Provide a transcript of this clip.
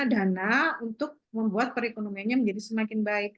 dana untuk membuat perekonomiannya menjadi semakin baik